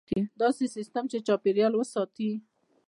داسې سیستم چې چاپیریال وساتي.